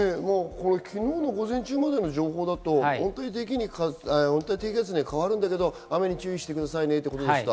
昨日の午前中までの情報だと、温帯低気圧に変わるんだけど、雨に注意してくださいねということでした。